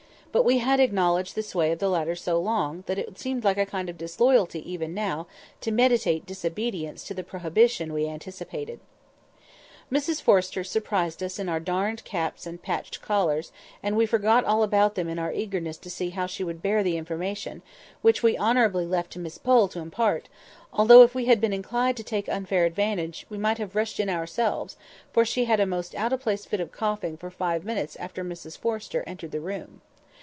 But we had acknowledged the sway of the latter so long, that it seemed like a kind of disloyalty now even to meditate disobedience to the prohibition we anticipated. Mrs Forrester surprised us in our darned caps and patched collars; and we forgot all about them in our eagerness to see how she would bear the information, which we honourably left to Miss Pole, to impart, although, if we had been inclined to take unfair advantage, we might have rushed in ourselves, for she had a most out of place fit of coughing for five minutes after Mrs Forrester entered the room.